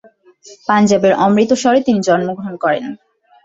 পাঞ্জাবের অমৃতসরে তিনি জন্ম গ্রহণ করেন।